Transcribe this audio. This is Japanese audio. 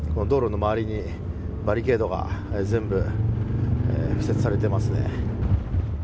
道路の周りにバリケードが全部敷設されていますね。